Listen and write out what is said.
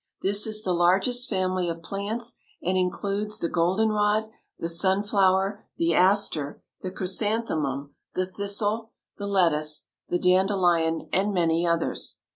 This is the largest family of plants and includes the goldenrod, the sunflower, the aster, the chrysanthemum, the thistle, the lettuce, the dandelion, and many others.